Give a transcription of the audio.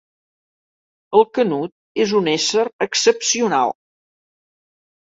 El Canut és un ésser excepcional.